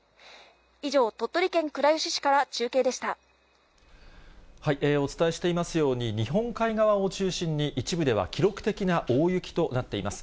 以上、お伝えしていますように、日本海側を中心に一部では記録的な大雪となっています。